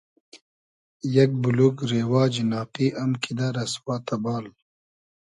یئگ بولوگ رېواجی ناقی ام کیدۂ رئسوا تئبال